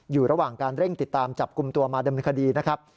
อยู่ระหว่างการเร่งติดตามจับกลุ่มตัวมาดำเนินคดีนะครับ